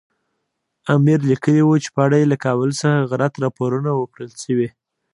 امیر لیکلي وو چې په اړه یې له کابل څخه غلط راپورونه ورکړل شوي.